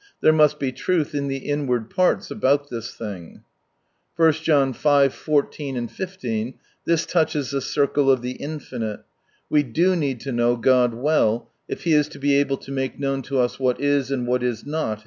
There must be truth in the inward pans about this thing. \John V. 14, 15. This touches the circle of the Infinite. We do need to know God well, if He is to be able to make known to us what is, and what is not.